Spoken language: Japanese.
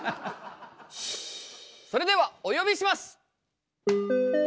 それではお呼びします！